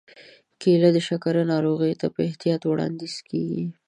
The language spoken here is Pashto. کېله د شکرې ناروغانو ته په احتیاط وړاندیز کېږي.